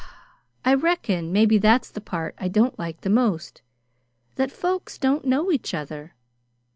"I reckon maybe that's the part I don't like the most that folks don't know each other.